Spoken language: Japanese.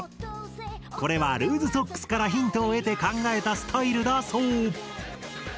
これはルーズソックスからヒントを得て考えたスタイルだそう！